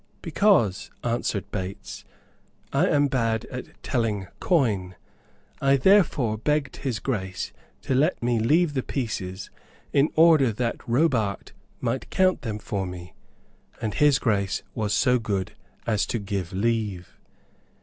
"Because," answered Bates, "I am bad at telling coin. I therefore begged His Grace to let me leave the pieces, in order that Robart might count them for me; and His Grace was so good as to give leave."